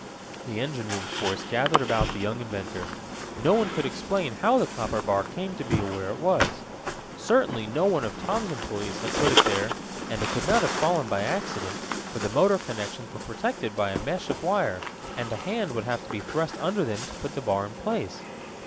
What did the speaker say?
The engine room force gathered about the young inventor. No one could explain how the copper bar came to be where it was. Certainly no one of Tom's employees had put it there, and it could not have fallen by accident, for the motor connections were protected by a mesh of wire, and a hand would have to be thrust under them to put the bar in place.